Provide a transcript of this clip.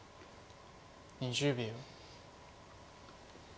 ２０秒。